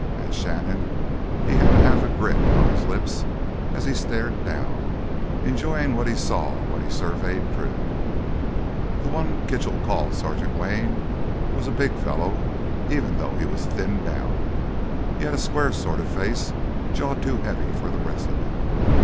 And Shannon—he had a half grin on his lips as he stared down, enjoying what he saw when he surveyed Drew. The one Kitchell called Sergeant Wayne was a big fellow, even though he was thinned down. He had a square sort of face—jaw too heavy for the rest of it.